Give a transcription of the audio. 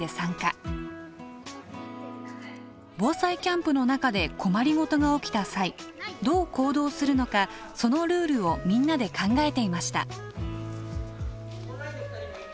防災キャンプの中で困り事が起きた際どう行動するのかそのルールをみんなで考えていました。